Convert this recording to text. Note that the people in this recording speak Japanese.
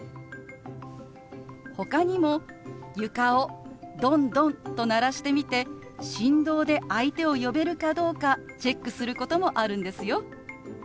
ほかにも床をドンドンと鳴らしてみて振動で相手を呼べるかどうかチェックすることもあるんですよ。